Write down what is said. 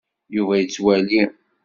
Yuba yettwali.